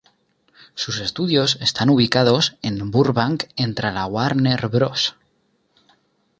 Sus estudios están ubicados en Burbank entre la Warner Bros.